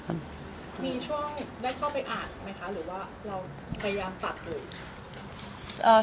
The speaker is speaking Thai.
มีช่วงได้เข้าไปอ่านไหมคะหรือว่าเราพยายามตัดเลย